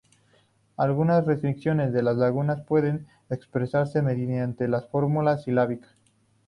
Algunas restricciones de las lenguas pueden expresarse mediante la fórmula silábica.